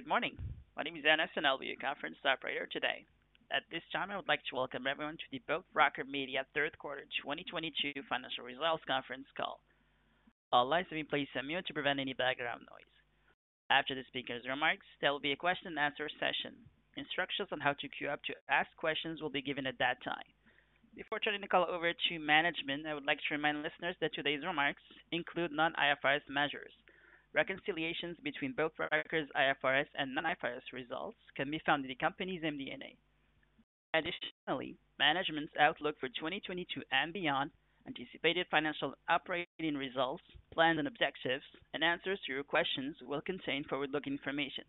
Good morning. My name is Ennis, and I'll be your conference operator today. At this time, I would like to welcome everyone to the Boat Rocker Media Third Quarter 2022 financial results conference call. All lines have been placed on mute to prevent any background noise. After the speaker's remarks, there will be a question-and-answer session. Instructions on how to queue up to ask questions will be given at that time. Before turning the call over to management, I would like to remind listeners that today's remarks include non-IFRS measures. Reconciliations between Boat Rocker's IFRS and non-IFRS results can be found in the company's MD&A. Additionally, management's outlook for 2022 and beyond, anticipated financial operating results, plans, and objectives, and answers to your questions will contain forward-looking information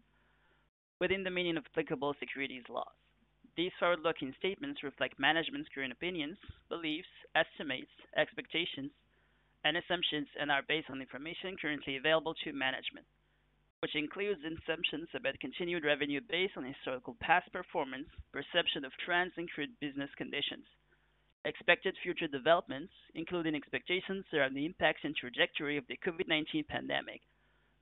within the meaning of applicable securities laws. These forward-looking statements reflect management's current opinions, beliefs, estimates, expectations, and assumptions and are based on information currently available to management, which includes assumptions about continued revenue based on historical past performance, perception of trends in current business conditions, expected future developments, including expectations around the impacts and trajectory of the COVID-19 pandemic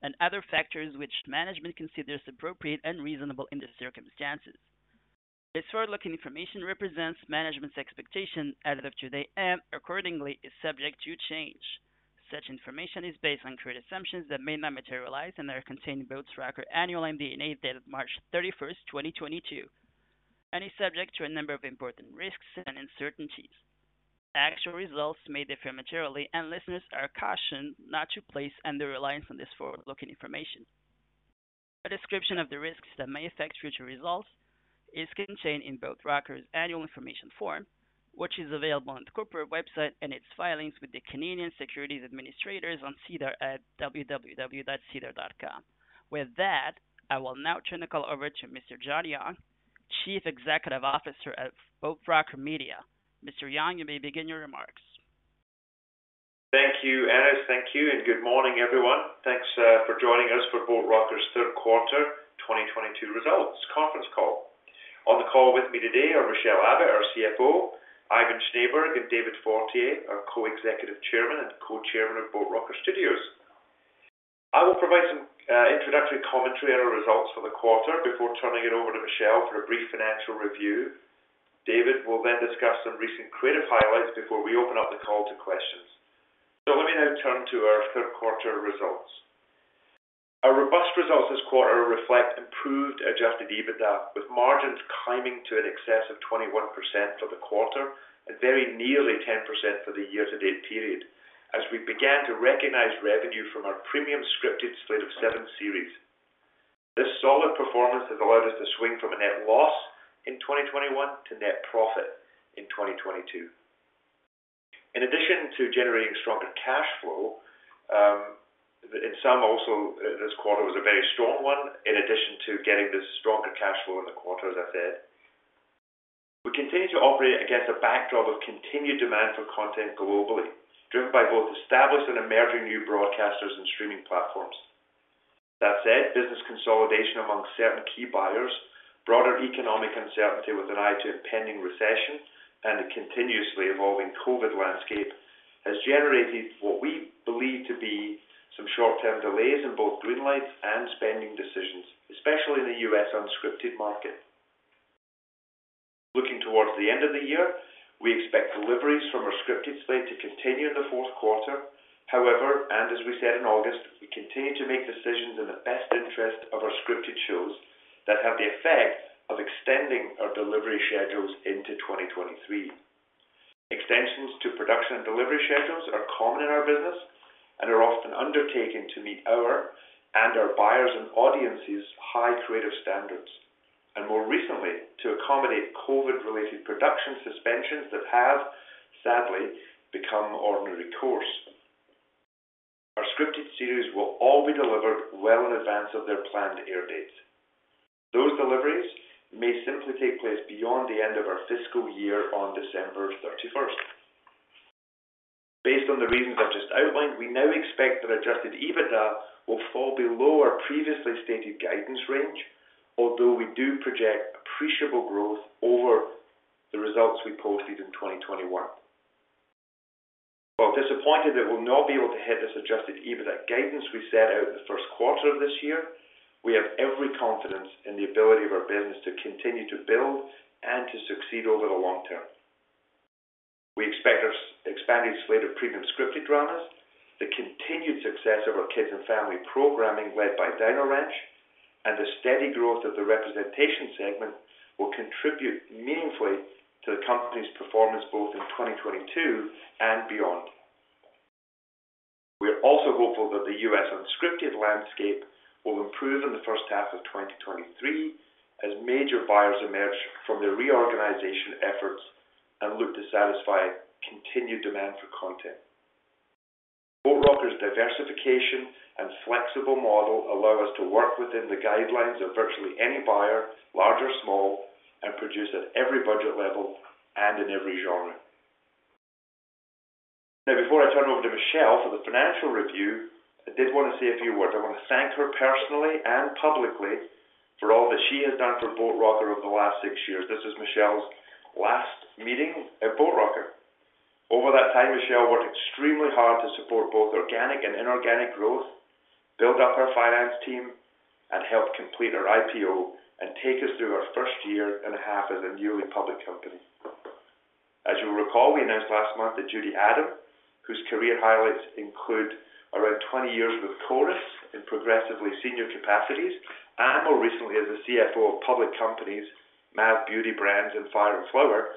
and other factors which management considers appropriate and reasonable in the circumstances. This forward-looking information represents management's expectation as of today and accordingly is subject to change. Such information is based on current assumptions that may not materialize and are contained in Boat Rocker annual MD&A dated March 31st, 2022, and is subject to a number of important risks and uncertainties. Actual results may differ materially, and listeners are cautioned not to place undue reliance on this forward-looking information. A description of the risks that may affect future results is contained in Boat Rocker's Annual Information Form, which is available on the corporate website and its filings with the Canadian Securities Administrators on SEDAR at www.sedar.com. With that, I will now turn the call over to Mr. John Young, Chief Executive Officer of Boat Rocker Media. Mr. Young, you may begin your remarks. Thank you, Ennis. Thank you, and good morning, everyone. Thanks for joining us for Boat Rocker's third quarter 2022 results conference call. On the call with me today are Michelle Abbott, our CFO, Ivan Schneeberg, and David Fortier, our Co-Executive Chairman and Co-chairman of Boat Rocker Studios. I will provide introductory commentary on our results for the quarter before turning it over to Michelle for a brief financial review. David will then discuss some recent creative highlights before we open up the call to questions. Let me now turn to our third quarter results. Our robust results this quarter reflect improved Adjusted EBITDA, with margins climbing to an excess of 21% for the quarter and very nearly 10% for the year-to-date period as we began to recognize revenue from our premium scripted slate of seven series. This solid performance has allowed us to swing from a net loss in 2021 to net profit in 2022. In addition to generating stronger cash flow, income also this quarter was a very strong one in addition to getting the stronger cash flow in the quarter, as I said. We continue to operate against a backdrop of continued demand for content globally, driven by both established and emerging new broadcasters and streaming platforms. That said, business consolidation among certain key buyers, broader economic uncertainty with an eye to impending recession, and a continuously evolving COVID landscape has generated what we believe to be some short-term delays in both green lights and spending decisions, especially in the U.S. unscripted market. Looking towards the end of the year, we expect deliveries from our scripted slate to continue in the fourth quarter. However, and as we said in August, we continue to make decisions in the best interest of our scripted shows that have the effect of extending our delivery schedules into 2023. Extensions to production and delivery schedules are common in our business and are often undertaken to meet our and our buyers and audiences high creative standards, and more recently to accommodate COVID-related production suspensions that have sadly become ordinary course. Our scripted series will all be delivered well in advance of their planned air dates. Those deliveries may simply take place beyond the end of our fiscal year on December 31st. Based on the reasons I've just outlined, we now expect that Adjusted EBITDA will fall below our previously stated guidance range, although we do project appreciable growth over the results we posted in 2021. While disappointed that we'll not be able to hit the suggested EBITDA guidance we set out in the first quarter of this year, we have every confidence in the ability of our business to continue to build and to succeed over the long term. We expect our expanding slate of premium scripted dramas, the continued success of our kids and family programming led by Dino Ranch, and the steady growth of the representation segment will contribute meaningfully to the company's performance both in 2022 and beyond. We are also hopeful that the U.S. unscripted landscape will improve in the first half of 2023 as major buyers emerge from their reorganization efforts and look to satisfy continued demand for content. Boat Rocker's diversification and flexible model allow us to work within the guidelines of virtually any buyer, large or small, and produce at every budget level and in every genre. Now, before I turn over to Michelle for the financial review, I did want to say a few words. I want to thank her personally and publicly for all that she has done for Boat Rocker over the last six years. This is Michelle's last meeting at Boat Rocker. Over that time, Michelle worked extremely hard to support both organic and inorganic growth, build up our finance team, and help complete our IPO and take us through our first year and a half as a newly public company. As you'll recall, we announced last month that Judy Adam, whose career highlights include around 20 years with Corus in progressively senior capacities, and more recently as the CFO of public companies MAV Beauty Brands and Fire & Flower,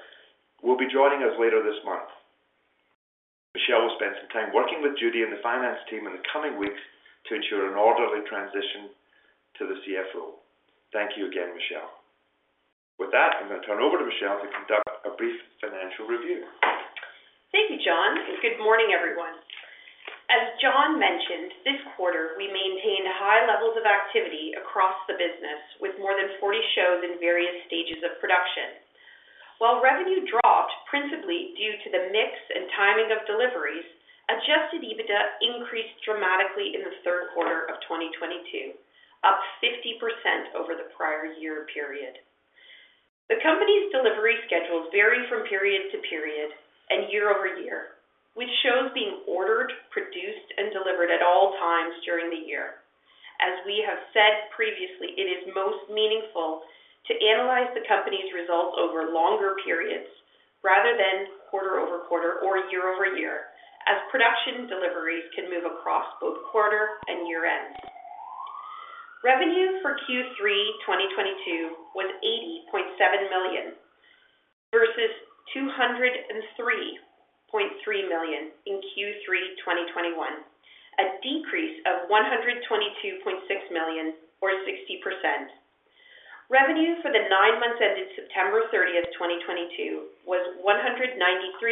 will be joining us later this month. Michelle will spend some time working with Judy and the finance team in the coming weeks to ensure an orderly transition to the CFO. Thank you again, Michelle. With that, I'm going to turn over to Michelle to conduct a brief financial review. Thank you, John, and good morning, everyone. As John mentioned, this quarter we maintained high levels of activity across the business with more than 40 shows in various stages of production. While revenue dropped principally due to the mix and timing of deliveries, Adjusted EBITDA increased dramatically in the third quarter of 2022, up 50% over the prior year period. The company's delivery schedules vary from period to period and year-over-year, with shows being ordered, produced, and delivered at all times during the year. As we have said previously, it is most meaningful to analyze the company's results over longer periods rather than quarter-over-quarter or year-over-year, as production deliveries can move across both quarter and year-end. Revenue for Q3 2022 was 80.7 million versus 203.3 million in Q3 2021, a decrease of 122.6 million or 60%. Revenue for the nine months ended September 30th, 2022 was 193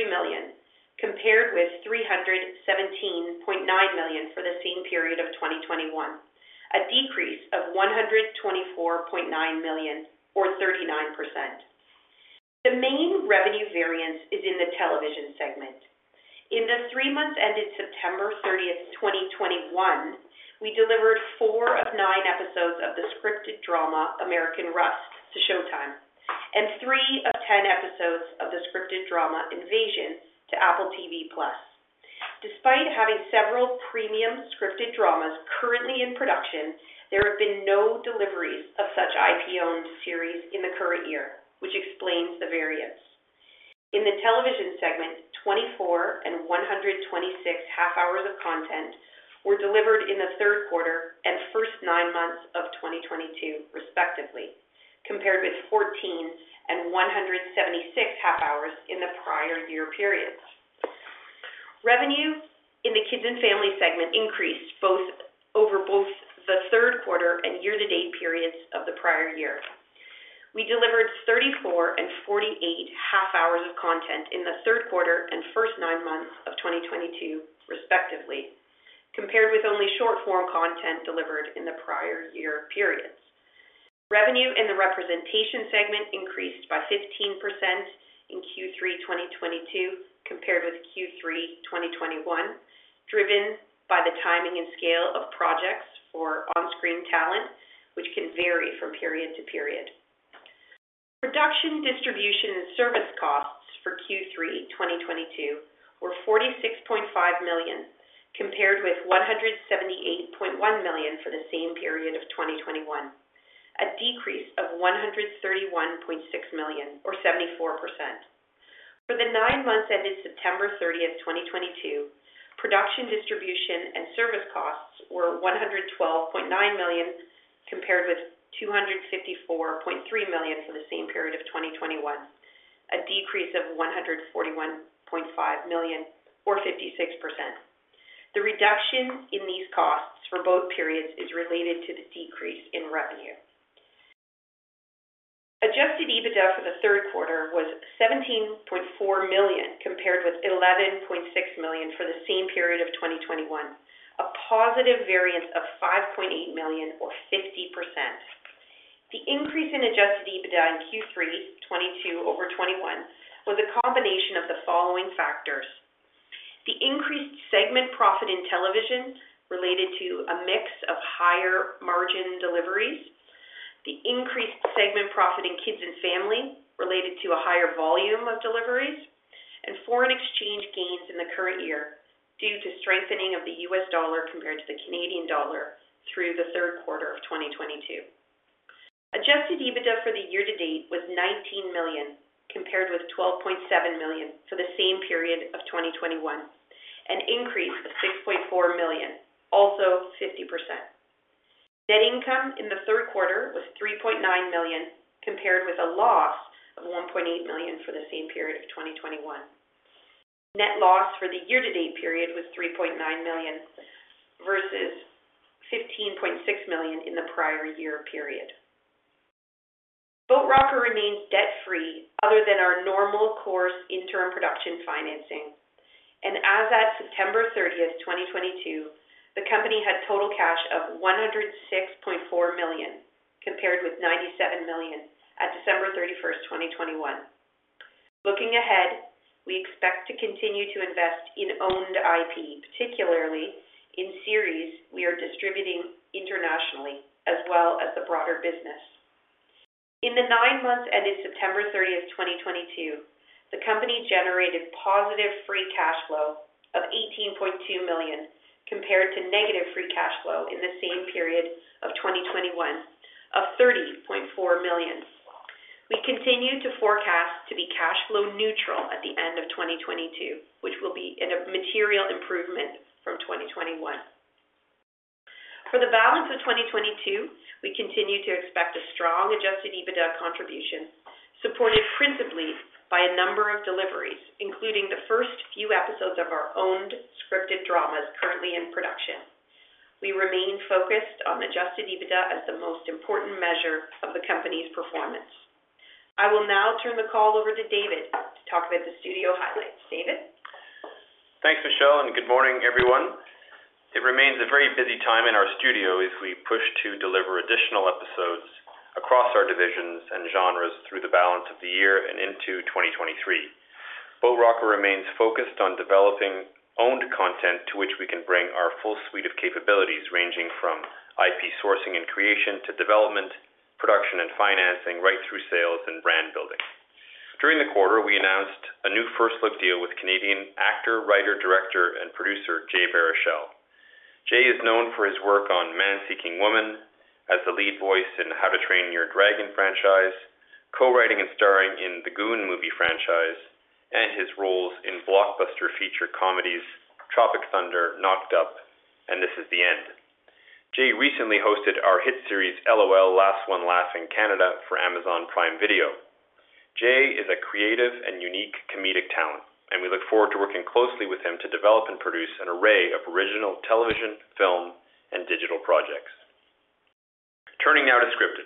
million, compared with 317.9 million for the same period of 2021, a decrease of 124.9 million or 39%. The main revenue variance is in the television segment. In the three months ended September 30th, 2021, we delivered four of nine episodes of the scripted drama American Rust to Showtime and three of 10 episodes of the scripted drama Invasion to Apple TV+. Despite having several premium scripted dramas currently in production, there have been no deliveries of such IP-owned series in the current year, which explains the variance. In the television segment, 24 and 126 half-hours of content were delivered in the third quarter and first nine months of 2022 respectively, compared with 14 and 176 half-hours in the prior year periods. Revenue in the Kids and Family segment increased over both the third quarter and year-to-date periods of the prior year. We delivered 34 and 48 half-hours of content in the third quarter and first nine months of 2022 respectively, compared with only short form content delivered in the prior year periods. Revenue in the representation segment increased by 15% in Q3 2022 compared with Q3 2021, driven by the timing and scale of projects for on-screen talent, which can vary from period to period. Production, distribution, and service costs for Q3 2022 were 46.5 million, compared with 178.1 million for the same period of 2021, a decrease of 131.6 million or 74%. For the nine months ended September 30th, 2022, production, distribution, and service costs were 112.9 million, compared with 254.3 million for the same period of 2021, a decrease of 141.5 million or 56%. The reduction in these costs for both periods is related to the decrease in revenue. Adjusted EBITDA for the third quarter was CAD 17.4 million, compared with CAD 11.6 million for the same period of 2021, a positive variance of CAD 5.8 million or 50%. The increase in Adjusted EBITDA in Q3 2022/2021 was a combination of the following factors. The increased segment profit in television related to a mix of higher margin deliveries, the increased segment profit in Kids and Family related to a higher volume of deliveries, and foreign exchange gains in the current year due to strengthening of the US dollar compared to the Canadian dollar through the third quarter of 2022. Adjusted EBITDA for the year-to-date was 19 million, compared with 12.7 million for the same period of 2021, an increase of 6.4 million, also 50%. Net income in the third quarter was 3.9 million, compared with a loss of 1.8 million for the same period of 2021. Net loss for the year-to-date period was 3.9 million versus 15.6 million in the prior year period. Boat Rocker remains debt-free other than our normal course interim production financing, and as at September 30th, 2022, the company had total cash of 106.4 million, compared with 97 million at December 31st, 2021. Looking ahead, we expect to continue to invest in owned IP, particularly in series we are distributing internationally, as well as the broader business. In the nine months ended September 30th, 2022, the company generated positive free cash flow of 18.2 million compared to negative free cash flow in the same period of 2021 of 30.4 million. We continue to forecast to be cash flow neutral at the end of 2022, which will be a material improvement from 2021. For the balance of 2022, we continue to expect a strong Adjusted EBITDA contribution, supported principally by a number of deliveries, including the first few episodes of our owned scripted dramas currently in production. We remain focused on Adjusted EBITDA as the most important measure of the company's performance. I will now turn the call over to David to talk about the studio highlights. David? Thanks, Michelle, and good morning, everyone. It remains a very busy time in our studio as we push to deliver additional episodes across our divisions and genres through the balance of the year and into 2023. Boat Rocker remains focused on developing owned content to which we can bring our full suite of capabilities, ranging from IP sourcing and creation to development, production and financing right through sales and brand building. During the quarter, we announced a new first look deal with Canadian actor, writer, director, and producer Jay Baruchel. Jay is known for his work on Man Seeking Woman as the lead voice in How to Train Your Dragon franchise, co-writing and starring in Goon movie franchise, and his roles in blockbuster feature comedies Tropic Thunder, Knocked Up, and This Is the End. Jay recently hosted our hit series LOL: Last One Laughing Canada for Amazon Prime Video. Jay is a creative and unique comedic talent, and we look forward to working closely with him to develop and produce an array of original television, film, and digital projects. Turning now to scripted.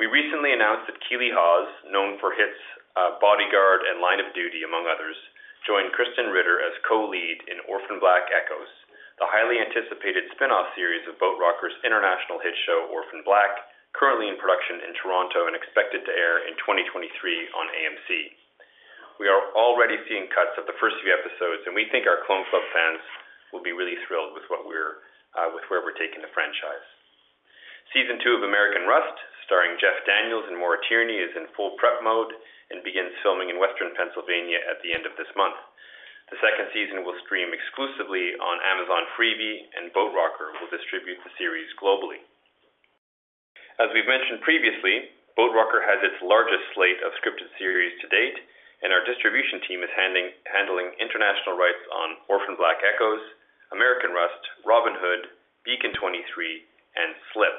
We recently announced that Keeley Hawes, known for hits, Bodyguard and Line of Duty, among others, joined Krysten Ritter as co-lead in Orphan Black: Echoes, the highly anticipated spin-off series of Boat Rocker's international hit show, Orphan Black, currently in production in Toronto and expected to air in 2023 on AMC. We are already seeing cuts of the first few episodes, and we think our clone club fans will be really thrilled with where we're taking the franchise. Season two of American Rust, starring Jeff Daniels and Maura Tierney, is in full prep mode and begins filming in Western Pennsylvania at the end of this month. The second season will stream exclusively on Amazon Freevee, and Boat Rocker will distribute the series globally. As we've mentioned previously, Boat Rocker has its largest slate of scripted series to date, and our distribution team is handling international rights on Orphan Black: Echoes, American Rust, Robyn Hood, Beacon 23, and Slip.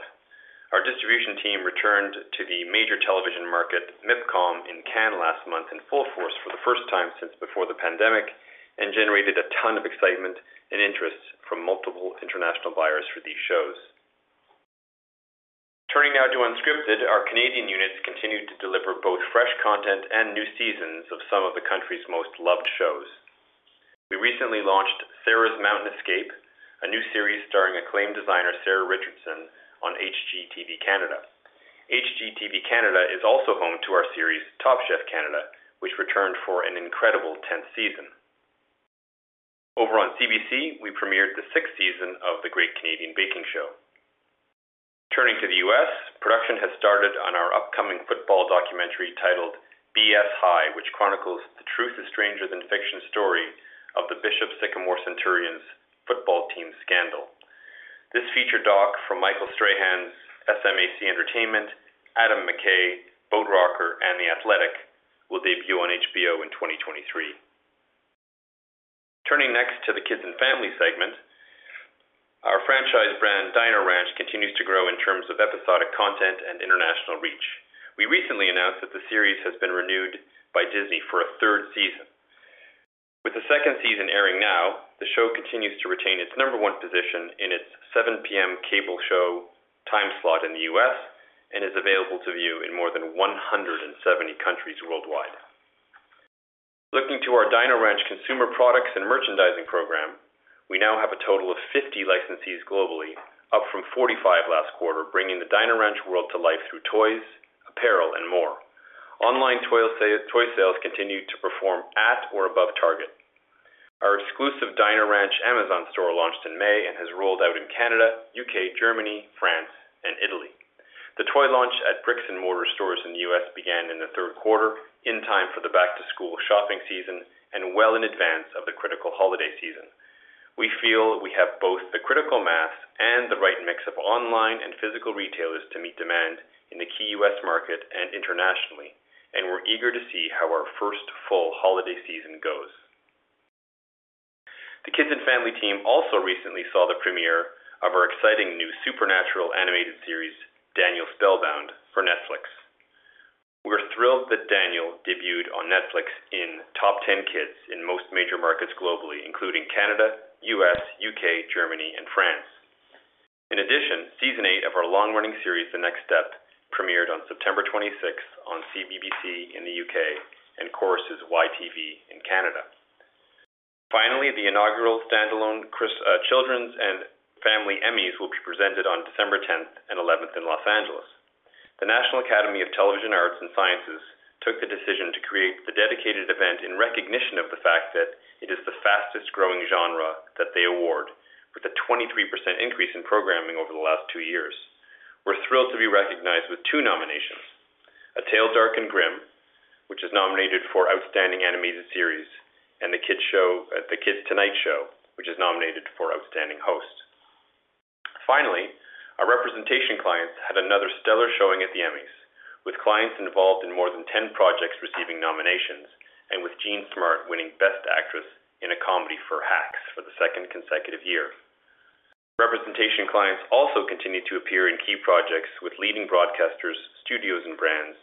Our distribution team returned to the major television market, MIPCOM in Cannes last month in full force for the first time since before the pandemic and generated a ton of excitement and interest from multiple international buyers for these shows. Turning now to unscripted, our Canadian units continued to deliver both fresh content and new seasons of some of the country's most loved shows. We recently launched Sarah's Mountain Escape, a new series starring acclaimed designer Sarah Richardson on HGTV Canada. HGTV Canada is also home to our series Top Chef Canada, which returned for an incredible 10th season. Over on CBC, we premiered the 6th season of The Great Canadian Baking Show. Turning to the U.S., production has started on our upcoming football documentary titled BS High, which chronicles the truth-is-stranger-than-fiction story of the Bishop Sycamore Centurions football team scandal. This feature doc from Michael Strahan's SMAC Entertainment, Adam McKay, Boat Rocker, and The Athletic will debut on HBO in 2023. Turning next to the Kids and Family segment. Our franchise brand, Dino Ranch, continues to grow in terms of episodic content and international reach. We recently announced that the series has been renewed by Disney for a 3rd season. With the second season airing now, the show continues to retain its number one position in its 7 P.M. cable Showtime slot in the U.S. and is available to view in more than 170 countries worldwide. Looking to our Dino Ranch consumer products and merchandising program, we now have a total of 50 licensees globally, up from 45 last quarter, bringing the Dino Ranch world to life through toys, apparel, and more. Online toy sales continue to perform at or above target. Our exclusive Dino Ranch Amazon store launched in May and has rolled out in Canada, U.K., Germany, France, and Italy. The toy launch at bricks and mortar stores in the U.S. began in the third quarter in time for the back-to-school shopping season and well in advance of the critical holiday season. We feel we have both the critical mass and the right mix of online and physical retailers to meet demand in the key U.S. market and internationally, and we're eager to see how our first full holiday season goes. The Kids and Family team also recently saw the premiere of our exciting new supernatural animated series, Daniel Spellbound, for Netflix. We're thrilled that Daniel debuted on Netflix in top ten kids in most major markets globally, including Canada, U.S., U.K., Germany, and France. In addition, season eight of our long-running series, The Next Step, premiered on September 26th on CBBC in the U.K. and Corus' YTV in Canada. Finally, the inaugural standalone Children's and Family Emmys will be presented on December 10th and 11th in Los Angeles. The National Academy of Television Arts & Sciences took the decision to create the dedicated event in recognition of the fact that it is the fastest-growing genre that they award. With a 23% increase in programming over the last two years, we're thrilled to be recognized with two nominations. A Tale Dark & Grimm, which is nominated for Outstanding Animated Series, and The Kids Tonight Show, which is nominated for Outstanding Host. Finally, our representation clients had another stellar showing at the Emmys, with clients involved in more than 10 projects receiving nominations, and with Jean Smart winning Best Actress in a comedy for Hacks for the second consecutive year. Representation clients also continued to appear in key projects with leading broadcasters, studios and brands,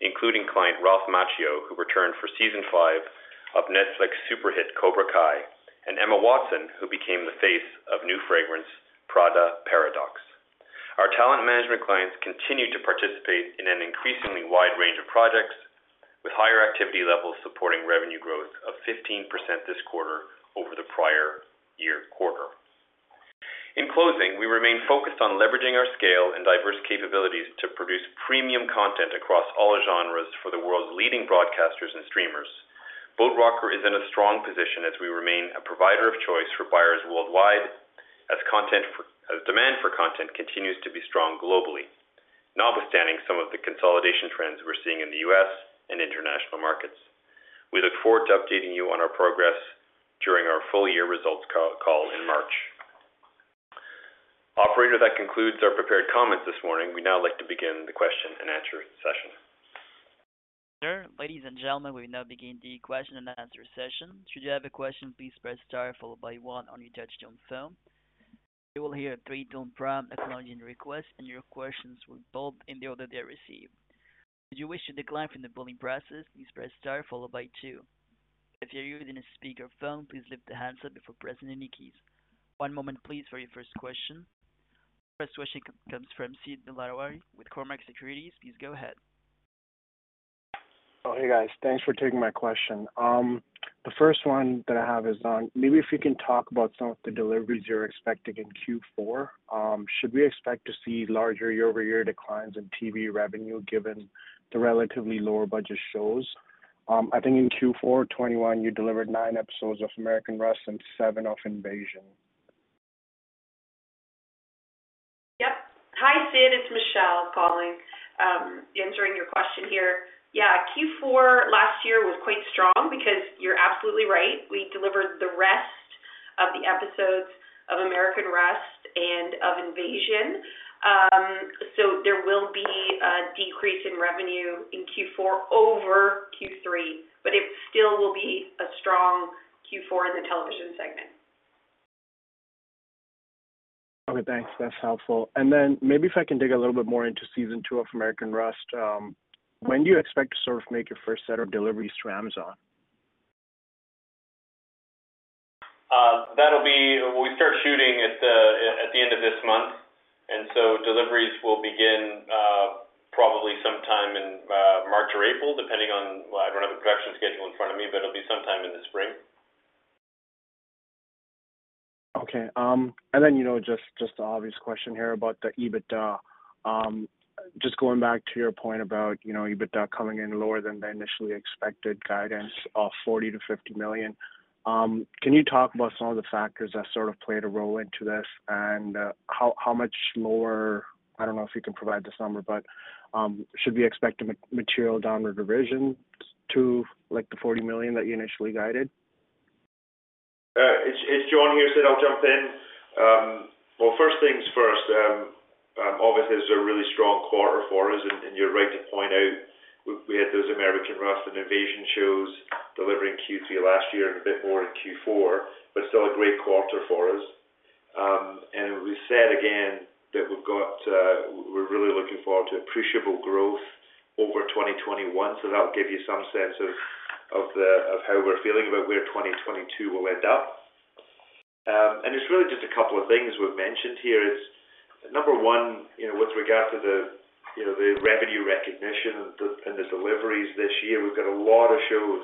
including client Ralph Macchio, who returned for season five of Netflix super hit Cobra Kai, and Emma Watson, who became the face of new fragrance Prada Paradoxe. Our talent management clients continue to participate in an increasingly wide range of projects, with higher activity levels supporting revenue growth of 15% this quarter over the prior year quarter. In closing, we remain focused on leveraging our scale and diverse capabilities to produce premium content across all genres for the world's leading broadcasters and streamers. Boat Rocker is in a strong position as we remain a provider of choice for buyers worldwide as demand for content continues to be strong globally, notwithstanding some of the consolidation trends we're seeing in the U.S. and international markets. We look forward to updating you on our progress during our full year results call in March. Operator, that concludes our prepared comments this morning. We'd now like to begin the question-and-answer session. Ladies and gentlemen, we now begin the question-and-answer session. Should you have a question, please press star followed by one on your touchtone phone. You will hear a three-tone prompt acknowledging your request, and your questions will be pulled in the order they are received. If you wish to decline from the polling process, please press star followed by two. If you're using a speakerphone, please lift the handset before pressing any keys. One moment please for your first question. First question comes from Sid Dilawari with Cormark Securities. Please go ahead. Oh, hey, guys. Thanks for taking my question. The first one that I have is on maybe if you can talk about some of the deliveries you're expecting in Q4. Should we expect to see larger year-over-year declines in TV revenue given the relatively lower budget shows? I think in Q4 2021, you delivered nine episodes of American Rust and seven of Invasion. Yep. Hi, Sid. It's Michelle Abbott calling. Answering your question here. Yeah. Q4 last year was quite strong because you're absolutely right. We delivered the rest of the episodes of American Rust and of Invasion. There will be a decrease in revenue in Q4 over Q3, but it still will be a strong Q4 in the television segment. Okay, thanks. That's helpful. Then maybe if I can dig a little bit more into season two of American Rust. When do you expect to sort of make your first set of deliveries to Amazon? We start shooting at the end of this month. Deliveries will begin probably sometime in March or April. Well, I don't have a production schedule in front of me, but it'll be sometime in the spring. Okay. You know, just the obvious question here about the EBITDA. Just going back to your point about, you know, EBITDA coming in lower than the initially expected guidance of 40 million-50 million. Can you talk about some of the factors that sort of played a role into this and how much lower? I don't know if you can provide this number, but should we expect a material downward revision to, like, the 40 million that you initially guided? It's John here. Sid, I'll jump in. Well, first things first. Obviously, this is a really strong quarter for us, and you're right to point out we had those American Rust and Invasion shows delivering Q3 last year and a bit more in Q4, but still a great quarter for us. We said again that we're really looking forward to appreciable growth over 2021, so that'll give you some sense of the how we're feeling about where 2022 will end up. It's really just a couple of things we've mentioned here is, number one, you know, with regard to the you know, the revenue recognition and the deliveries this year. We've got a lot of shows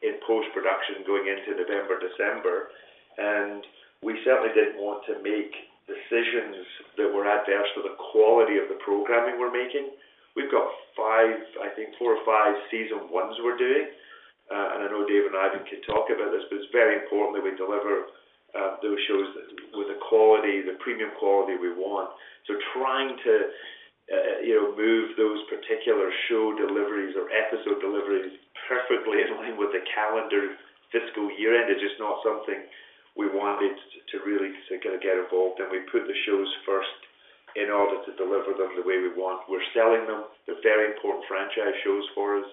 in post-production going into November, December, and we certainly didn't want to make decisions that were adverse to the quality of the programming we're making. We've got five, I think four or five season ones we're doing, and I know David and Ivan can talk about this, but it's very important that we deliver those shows with the quality, the premium quality we want. Trying to you know move those particular show deliveries or episode deliveries perfectly in line with the calendar fiscal year-end is just not something we wanted to really kinda get involved, and we put the shows first in order to deliver them the way we want. We're selling them. They're very important franchise shows for us,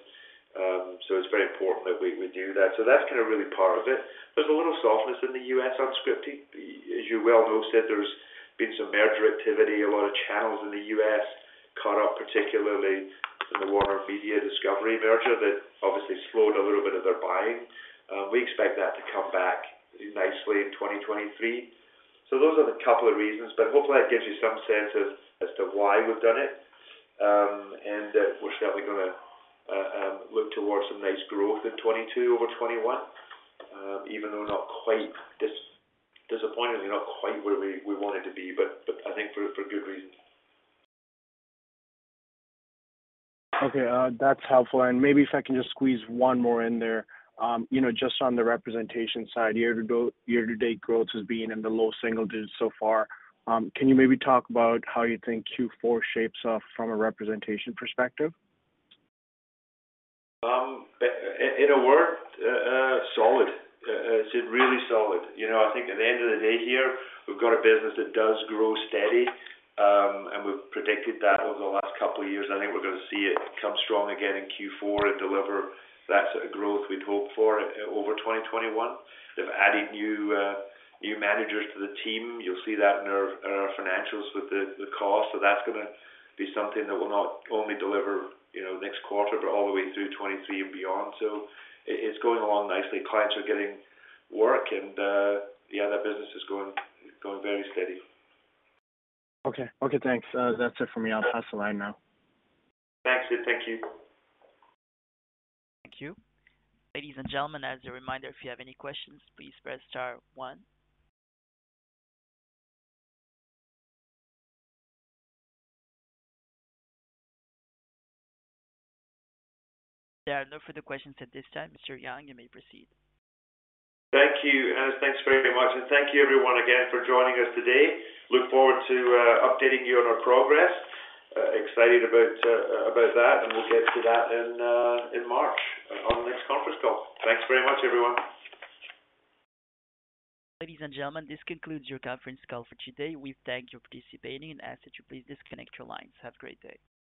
so it's very important that we do that. That's kinda really part of it. There's a little softness in the U.S. on scripting. As you well know, Sid, there's been some merger activity. A lot of channels in the U.S. caught up, particularly in the Warner Bros. Discovery merger, that obviously slowed a little bit of their buying. We expect that to come back nicely in 2023. Those are the couple of reasons, but hopefully that gives you some sense as to why we've done it, and that we're certainly gonna look towards some nice growth in 2022 over 2021, even though not quite disappointingly, not quite where we wanted to be, but I think for good reason. That's helpful. Maybe if I can just squeeze one more in there. You know, just on the representation side, year-to-date growth has been in the low single digits so far. Can you maybe talk about how you think Q4 shapes up from a representation perspective? In a word, solid. Sid, really solid. You know, I think at the end of the day here, we've got a business that does grow steady, and we've predicted that over the last couple of years. I think we're gonna see it come strong again in Q4 and deliver that sort of growth we'd hope for over 2021. They've added new managers to the team. You'll see that in our financials with the cost. So that's gonna be something that will not only deliver, you know, next quarter, but all the way through 2023 and beyond. So it's going along nicely. Clients are getting work, and yeah, that business is going very steady. Okay. Okay, thanks. That's it for me. I'll pass the line now. Thanks, Sid. Thank you. Thank you. Ladies and gentlemen, as a reminder, if you have any questions, please press star one. There are no further questions at this time. Mr. Young, you may proceed. Thank you. Thanks very much. Thank you everyone again for joining us today. Look forward to updating you on our progress. Excited about that, and we'll get to that in March on the next conference call. Thanks very much, everyone. Ladies and gentlemen, this concludes your conference call for today. We thank you for participating and ask that you please disconnect your lines. Have a great day.